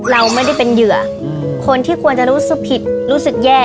เราไม่ได้เป็นเหยื่อคนที่ควรจะรู้สึกผิดรู้สึกแย่